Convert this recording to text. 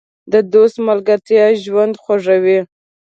د دوست ملګرتیا ژوند خوږوي.